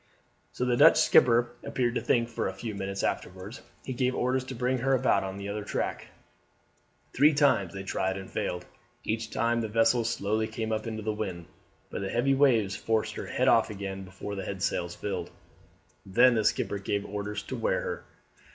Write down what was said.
So the Dutch skipper appeared to think, for a few minutes afterwards he gave orders to bring her about on the other tack. Three times they tried and failed; each time the vessel slowly came up into the wind, but the heavy waves forced her head off again before the headsails filled. Then the skipper gave orders to wear her.